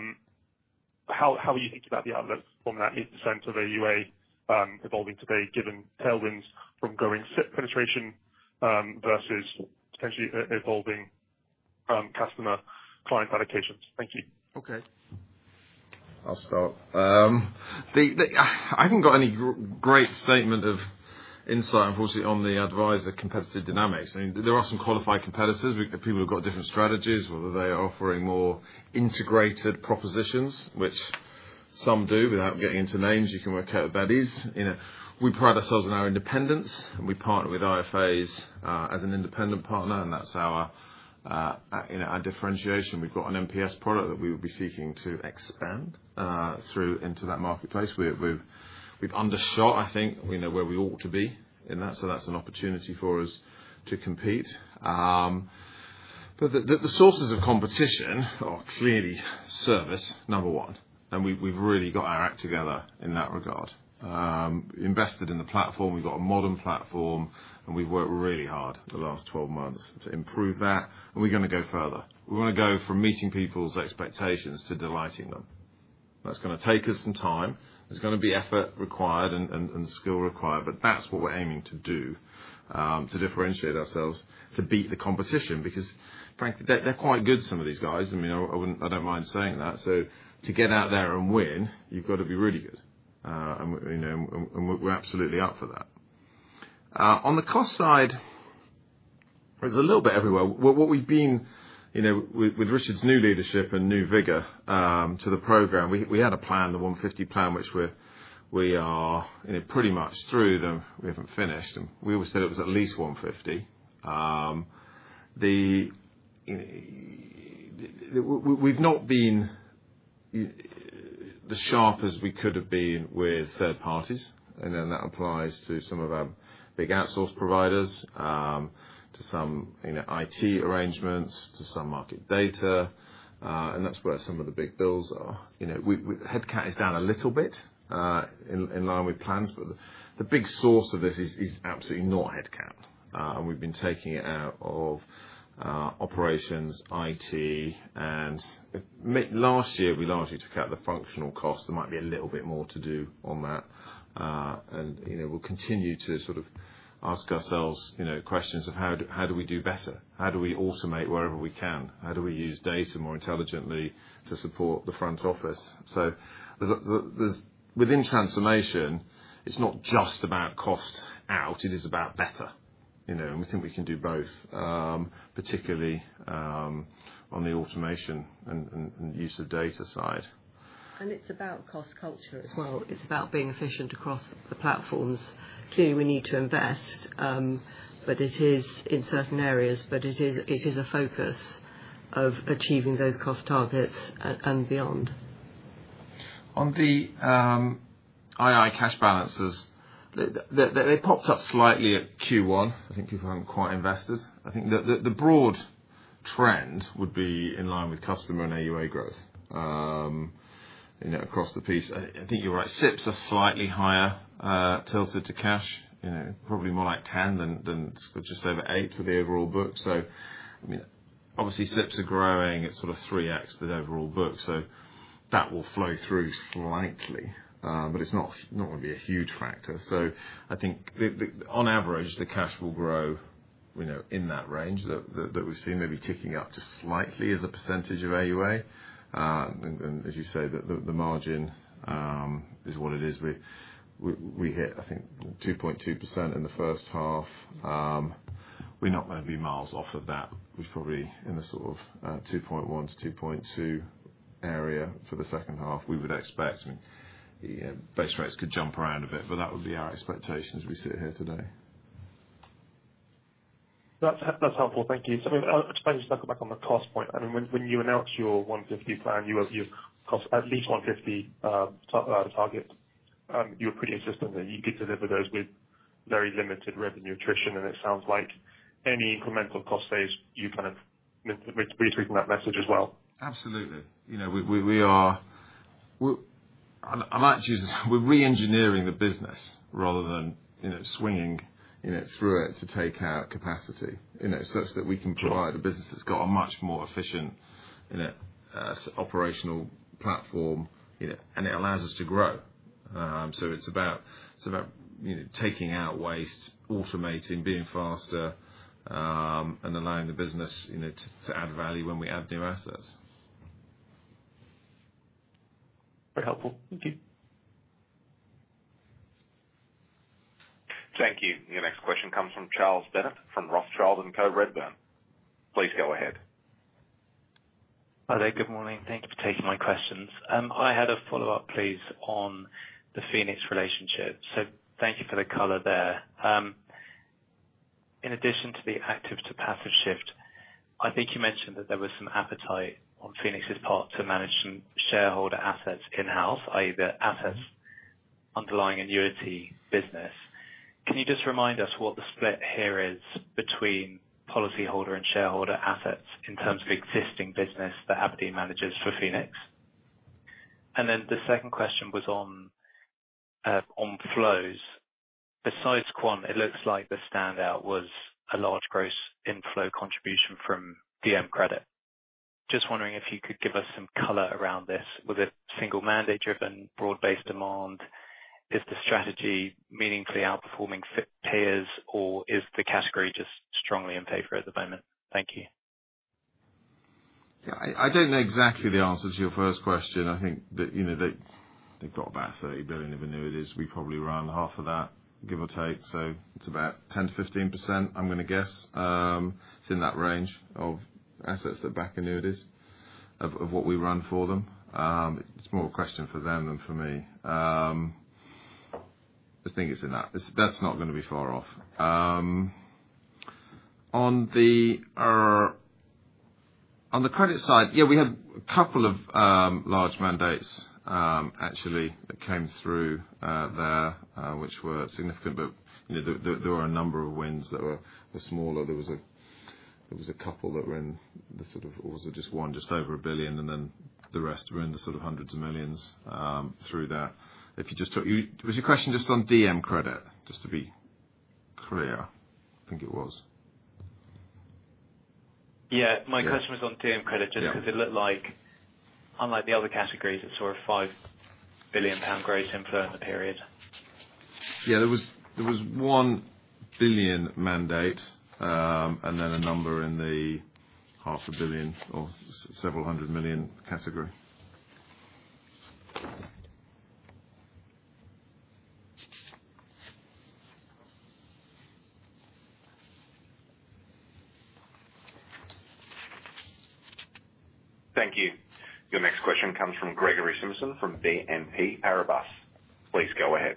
how are you thinking about the outlook from that 8% of AUA evolving today, given tailwinds from growing SIPP penetration, versus potentially evolving customer client allocations? Thank you. Okay. I'll start. I haven't got any great statement of insight, unfortunately, on the Adviser competitive dynamics. I mean, there are some qualified competitors, people who've got different strategies, whether they are offering more integrated propositions, which some do. Without getting into names, you can work out the baddies. We pride ourselves on our independence, and we partner with IFRS as an independent partner, and that's our, you know, our differentiation. We've got an MPS product that we would be seeking to expand through into that marketplace. We've undershot, I think, you know, where we ought to be in that. That's an opportunity for us to compete. The sources of competition are clearly service, number one. We've really got our act together in that regard, invested in the platform. We've got a modern platform, and we've worked really hard the last 12 months to improve that. We're going to go further. We're going to go from meeting people's expectations to delighting them. That's going to take us some time. There's going to be effort required and skill required, but that's what we're aiming to do, to differentiate ourselves to beat the competition because, frankly, they're quite good, some of these guys. I mean, I wouldn't, I don't mind saying that. To get out there and win, you've got to be really good, and you know, we're absolutely up for that. On the cost side, it's a little bit everywhere. With Richard's new leadership and new vigor to the program, we had a plan, the 150 plan, which we are, you know, pretty much through. We haven't finished. We always said it was at least 150. We've not been as sharp as we could have been with third parties, and that applies to some of our big outsource providers, to some, you know, IT arrangements, to some market data, and that's where some of the big bills are. The headcount is down a little bit, in line with plans, but the big source of this is absolutely not headcount. We've been taking it out of operations, IT, and last year, we largely took out the functional costs. There might be a little bit more to do on that. We'll continue to sort of ask ourselves, you know, questions of how do we do better? How do we automate wherever we can? How do we use data more intelligently to support the front office? Within transformation, it's not just about cost out. It is about better. We think we can do both, particularly on the automation and use of data side. It's about cost culture as well. It's about being efficient across the platforms. Clearly, we need to invest in certain areas, but it is a focus of achieving those cost targets and beyond. On the II cash balances, they popped up slightly at Q1. I think people haven't quite invested. I think the broad trend would be in line with customer and AUA growth, you know, across the piece. I think you're right. SIPPs are slightly higher, tilted to cash, you know, probably more like 10% than just over 8% for the overall book. Obviously, SIPPs are growing. It's sort of 3X the overall book. That will flow through slightly, but it's not going to be a huge factor. I think, on average, the cash will grow in that range that we've seen, maybe ticking up just slightly as a percentage of AUA. As you say, the margin is what it is. We hit, I think, 2.2% in the first half. We're not going to be miles off of that. We're probably in the sort of 2.1% -2.2% area for the second half. We would expect, I mean, the base rates could jump around a bit, but that would be our expectation as we sit here today. That's helpful. Thank you. I just wanted to circle back on the cost point. When you announced your 150 million plan, you have at least 150 million targets. You were pretty insistent that you could deliver those with very limited revenue attrition. It sounds like any incremental cost saves, you're kind of retweaking that message as well. Absolutely. We are re-engineering the business rather than swinging through it to take out capacity, such that we can provide a business that's got a much more efficient operational platform, and it allows us to grow. It's about taking out waste, automating, being faster, and allowing the business to add value when we add new assets. Very helpful. Thank you. Thank you. Your next question comes from Charles Bendit from Rothschild & Co Redburn. Please go ahead. Hello. Good morning. Thank you for taking my questions. I had a follow-up, please, on the Phoenix relationship. Thank you for the color there. In addition to the active to passive shift, I think you mentioned that there was some appetite on Phoenix's part to manage some shareholder assets in-house, i.e., the assets underlying annuity business. Can you just remind us what the split here is between policyholder and shareholder assets in terms of existing business that Aberdeen manages for Phoenix? The second question was on flows. Besides quants, it looks like the standout was a large gross inflow contribution from DM Credit. Just wondering if you could give us some color around this. Was it single mandate-driven, broad-based demand? Is the strategy meaningfully outperforming peers, or is the category just strongly in favor at the moment? Thank you. Yeah. I don't know exactly the answer to your first question. I think that, you know, they've got about 30 billion of annuities. We probably run half of that, give or take. So it's about 10%-15%, I'm going to guess. It's in that range of assets that back annuities of what we run for them. It's more a question for them than for me. I just think it's in that. That's not going to be far off. On the credit side, yeah, we had a couple of large mandates, actually, that came through there, which were significant. You know, there were a number of wins that were smaller. There was a couple that were in the sort of, or was it just one, just over 1 billion? And then the rest were in the sort of hundreds of millions through that. If you just took, was your question just on DM Credit, just to be clear? I think it was. Yeah, my question was on DM Credit just because it looked like, unlike the other categories, it's sort of 5 billion pound gross inflow in the period. There was a 1 billion mandate, and then a number in the half a billion or several hundred million category. Thank you. Your next question comes from Gregory Simpson from BNP Paribas. Please go ahead.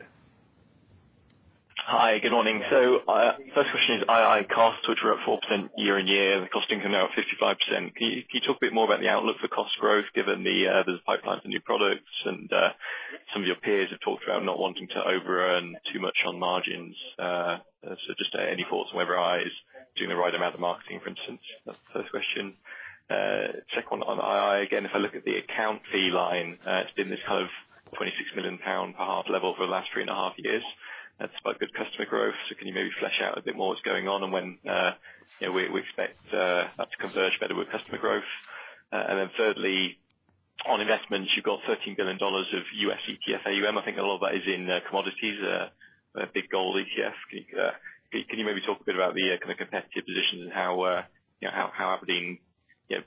Hi. Good morning. The first question is ii costs, which were at 4% year-on-year, and the cost income now at 55%. Can you talk a bit more about the outlook for cost growth given there's a pipeline for new products and some of your peers have talked about not wanting to overrun too much on margins? Just any thoughts on whether II is doing the right amount of marketing, for instance? That's the first question. Check on II again. If I look at the account fee line, it's been this kind of 26 million pound per half level for the last three and a half years. That's about good customer growth. Can you maybe flesh out a bit more what's going on and when we expect that to converge better with customer growth? Thirdly, on investments, you've got $13 billion of U.S. ETF AUM. I think a lot of that is in commodities, a big gold ETF. Can you maybe talk a bit about the kind of competitive positions and how Aberdeen is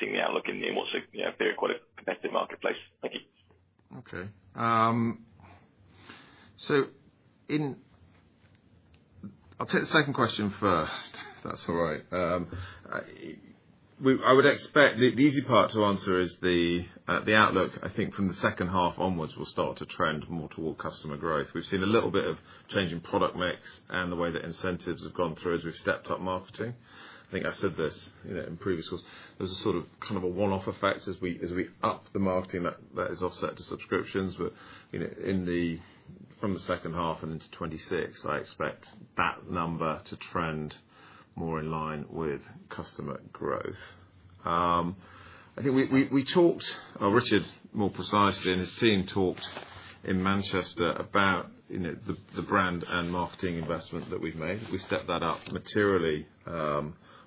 seeing the outlook in what's a very quite a competitive marketplace? Thank you. Okay. I'll take the second question first, if that's all right. I would expect the easy part to answer is the outlook, I think, from the second half onwards will start to trend more toward customer growth. We've seen a little bit of change in product mix and the way that incentives have gone through as we've stepped up marketing. I think I said this in previous calls. There's a sort of kind of a one-off effect as we up the marketing that is offset to subscriptions. In the second half and into 2026, I expect that number to trend more in line with customer growth. We talked, or Richard more precisely and his team talked in Manchester about the brand and marketing investment that we've made. We stepped that up materially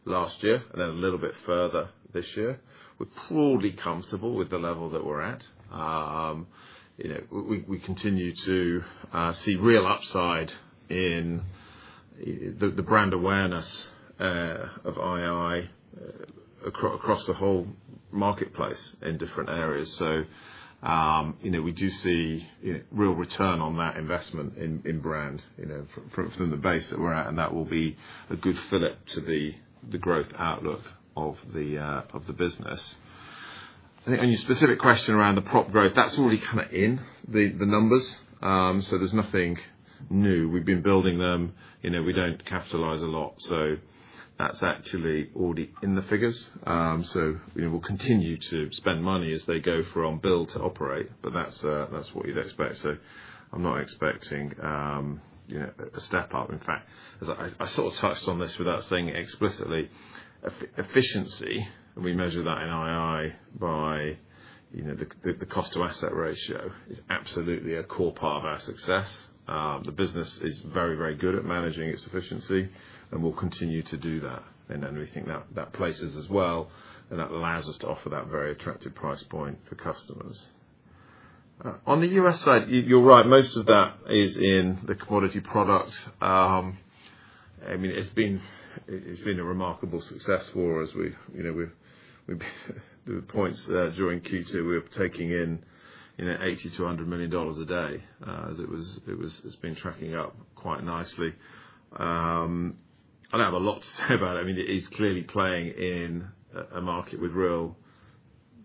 last year and then a little bit further this year. We're broadly comfortable with the level that we're at. We continue to see real upside in the brand awareness of Interactive Investor across the whole marketplace in different areas. We do see real return on that investment in brand from the base that we're at. That will be a good fillip to the growth outlook of the business. On your specific question around the prop growth, that's already kind of in the numbers. There's nothing new. We've been building them. We don't capitalize a lot, so that's actually already in the figures. We'll continue to spend money as they go for on build to operate. That's what you'd expect. I'm not expecting a step up. In fact, as I sort of touched on this without saying it explicitly, efficiency, and we measure that in Interactive Investor by the cost-to-asset ratio, is absolutely a core part of our success. The business is very, very good at managing its efficiency, and we'll continue to do that. We think that places us well, and that allows us to offer that very attractive price point for customers. On the U.S. side, you're right. Most of that is in the commodity product. It's been a remarkable success for us. We've, at points during Q2, we were taking in $80 million-$100 million a day, as it was, it's been tracking up quite nicely. I don't have a lot to say about it. It is clearly playing in a market with real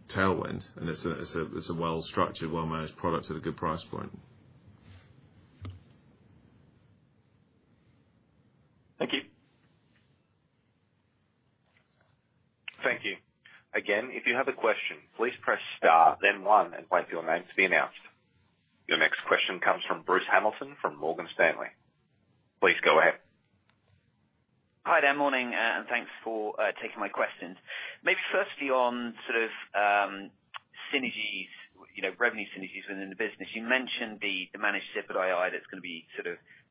tailwind, and it's a well-structured, well-managed product at a good price point. Thank you. Thank you. Again, if you have a question, please press star, then one, and state your name to be announced. Your next question comes from Bruce Hamilton from Morgan Stanley. Please go ahead. Hi. Good morning, and thanks for taking my questions. Maybe firstly on synergies, you know, revenue synergies within the business. You mentioned the managed SIPP at Interactive Investor that's going to be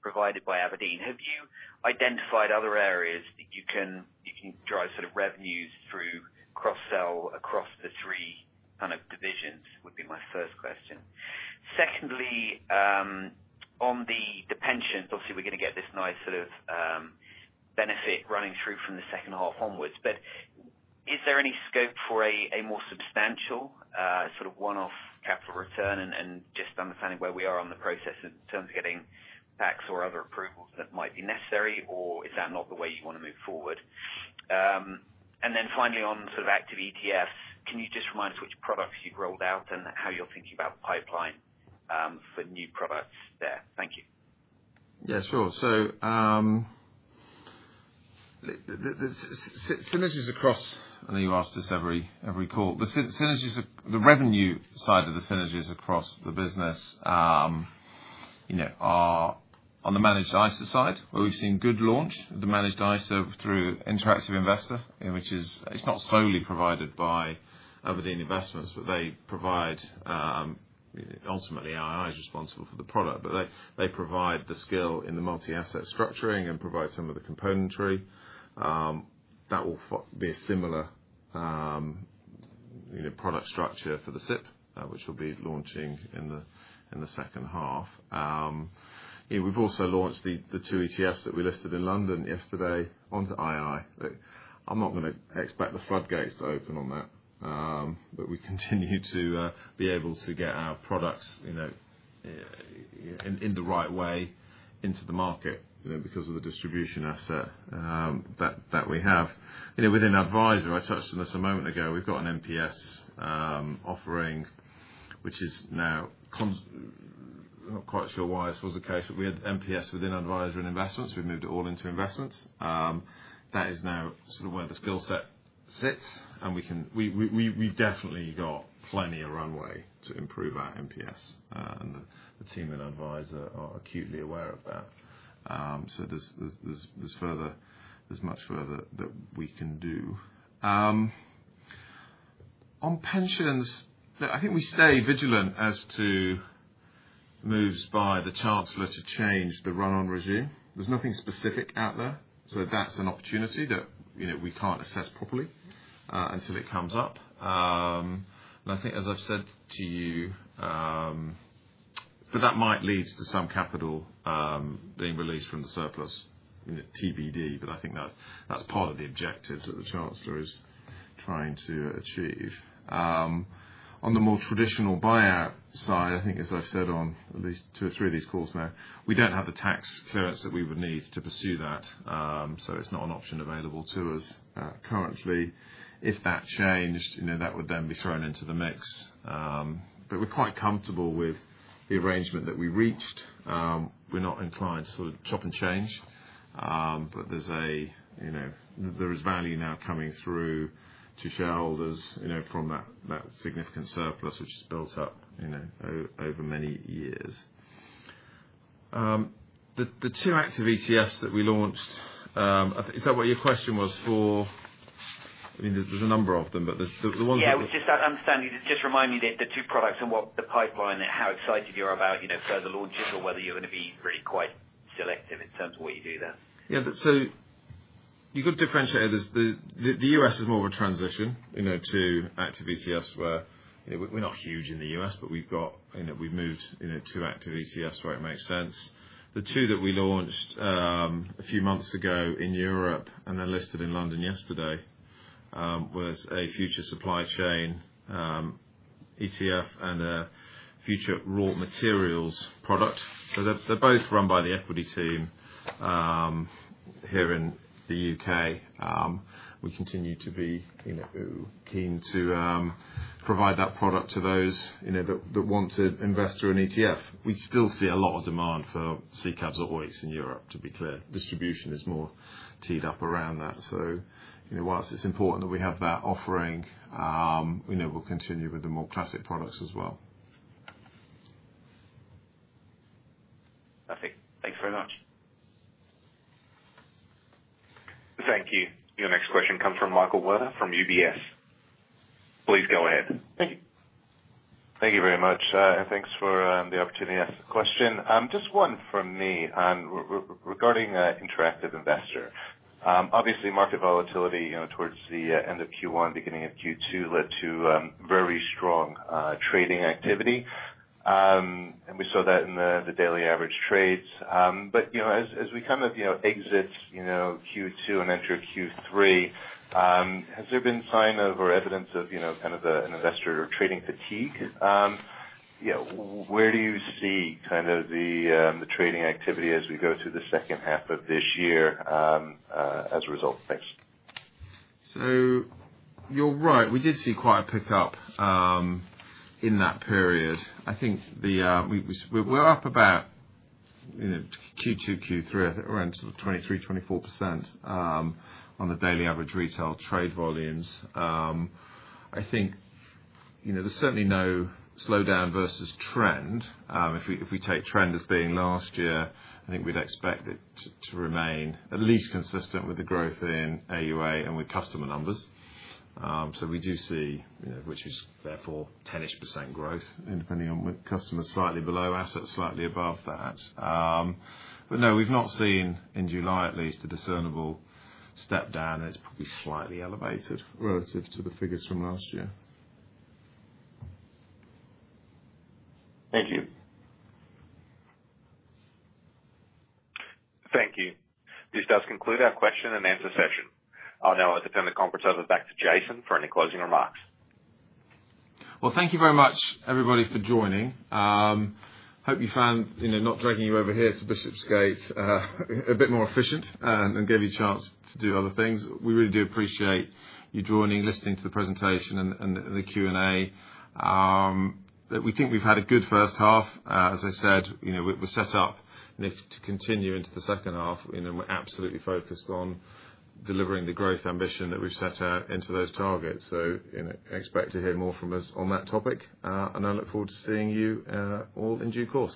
provided by Aberdeen. Have you identified other areas that you can drive revenues through cross-sell across the three divisions would be my first question. Secondly, on the pensions, obviously, we're going to get this nice benefit running through from the second half onwards. Is there any scope for a more substantial one-off capital return and just understanding where we are on the process in terms of getting tax or other approvals that might be necessary, or is that not the way you want to move forward? Finally, on active ETFs, can you just remind us which products you've rolled out and how you're thinking about the pipeline for new products there? Thank you. Yeah, sure. Synergies across, I know you ask this every call. The revenue side of the synergies across the business are on the managed ISA side, where we've seen good launch of the managed ISA through Interactive Investor, which is not solely provided by Aberdeen Investments, but they provide, ultimately, II is responsible for the product. They provide the skill in the multi-asset structuring and provide some of the componentry. That will be a similar product structure for the SIPP, which will be launching in the second half. We've also launched the two ETFs that we listed in London yesterday onto II. I'm not going to expect the floodgates to open on that, but we continue to be able to get our products in the right way into the market because of the distribution asset that we have. Within Adviser, I touched on this a moment ago. We've got an MPS offering, which is now, I'm not quite sure why this was the case, but we had MPS within Adviser and Investments. We moved it all into Investments. That is now where the skill set sits, and we definitely got plenty of runway to improve our MPS. The team at Adviser are acutely aware of that, so there's much further that we can do. On pensions, I think we stay vigilant as to moves by the chancellor to change the run-on regime. There's nothing specific out there. That's an opportunity that we can't assess properly until it comes up. I think, as I've said to you, that might lead to some capital being released from the surplus, TBD. I think that's part of the objectives that the chancellor is trying to achieve. On the more traditional buyout side, I think, as I've said on at least two or three of these calls now, we don't have the tax clearance that we would need to pursue that, so it's not an option available to us currently. If that changed, that would then be thrown into the mix. We're quite comfortable with the arrangement that we reached. We're not inclined to chop and change. There is value now coming through to shareholders from that significant surplus, which has built up over many years. The two active ETFs that we launched, is that what your question was for? I mean, there's a number of them, but the ones that. Yeah. I was just understanding you to just remind me that the two products and what the pipeline and how excited you are about, you know, further launches or whether you're going to be really quite selective in terms of what you do there. Yeah. You've got to differentiate this. The U.S. is more of a transition to active ETFs where we're not huge in the U.S., but we've moved to active ETFs where it makes sense. The two that we launched a few months ago in Europe and then listed in London yesterday were a future supply chain ETF and a future raw materials product. They're both run by the equity team here in the U.K.. We continue to be keen to provide that product to those that want to invest in an ETF. We still see a lot of demand for [UCITS or OEICs] in Europe, to be clear. Distribution is more teed up around that. Whilst it's important that we have that offering, we'll continue with the more classic products as well. Perfect. Thanks very much. Thank you. Your next question comes from Michael Werner from UBS ,Please go ahead. Thank you. Thank you very much, and thanks for the opportunity to ask the question. Just one from me, regarding Interactive Investor. Obviously, market volatility towards the end of Q1, beginning of Q2 led to very strong trading activity, and we saw that in the daily average trades. As we exit Q2 and enter Q3, has there been sign of or evidence of trading fatigue? Where do you see the trading activity as we go through the second half of this year as a result? Thanks. You're right. We did see quite a pickup in that period. I think we were up about, you know, Q2, Q3, I think around 23%, 24% on the daily average retail trade volumes. I think there's certainly no slowdown versus trend. If we take trend as being last year, I think we'd expect it to remain at least consistent with the growth in AUA and with customer numbers. We do see, you know, which is therefore 10%-ish growth, and depending on the customers, slightly below, assets slightly above that. No, we've not seen, in July at least, a discernible step down. It's probably slightly elevated relative to the figures from last year. Thank you. Thank you. This does conclude our question and answer session. I'll now, at the time of the conference, turn it back to Jason for any closing remarks. Thank you very much, everybody, for joining. I hope you found not dragging you over here to Bishop's Gate a bit more efficient and gave you a chance to do other things. We really do appreciate you joining, listening to the presentation and the Q&A. We think we've had a good first half. As I said, we're set up to continue into the second half, and we're absolutely focused on delivering the growth ambition that we've set out into those targets. Expect to hear more from us on that topic. I look forward to seeing you all in due course.